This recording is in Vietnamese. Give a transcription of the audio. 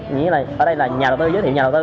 nghĩa là ở đây là nhà đầu tư giới thiệu nhà đầu tư